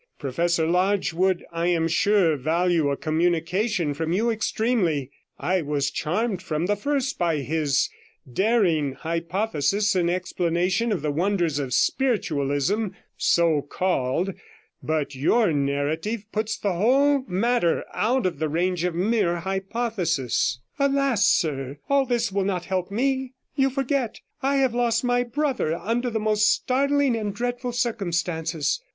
Professor Lodge would, I am sure, value a communication from you extremely; I was charmed from the first by his daring hypothesis in explanation of the wonders of spiritualism (so called), but your narrative puts the whole matter out of the range of mere hypothesis.' 'Alas ! sir, all this will not help me. You forget, I have lost my brother under the most startling and dreadful circumstances.